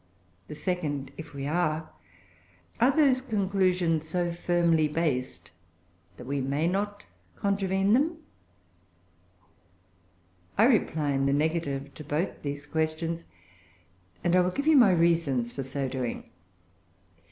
the second, if we are, are those conclusions so firmly based that we may not contravene them? I reply in the negative to both these questions, and I will give you my reasons for so doing.